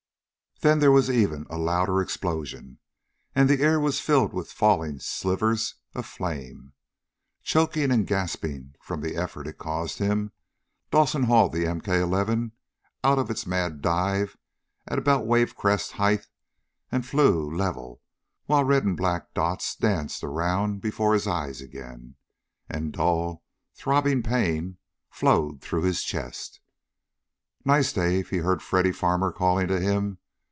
Then there was even a louder explosion, and the air was filled with falling slivers of flame. Choking and gasping from the effort it caused him, Dawson hauled the MK 11 out of its mad dive at about wave crest height and flew, level while red and black dots danced around before his eyes again, and dull, throbbing pain flowed through his chest. "Nice, Dave!" he heard Freddy Farmer calling to him.